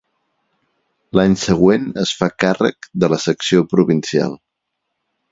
L'any següent es fa càrrec de la secció provincial.